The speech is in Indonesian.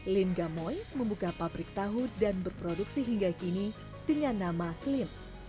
lin gamoy membuka pabrik tahu dan berproduksi hingga kini dengan nama klin